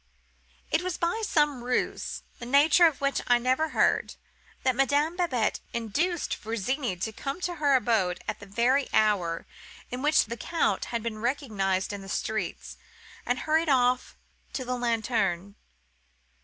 It was by some ruse, the nature of which I never heard, that Madame Babette induced Virginie to come to her abode at the very hour in which the Count had been recognized in the streets, and hurried off to the Lanterne.